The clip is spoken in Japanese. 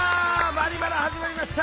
「バリバラ」始まりました！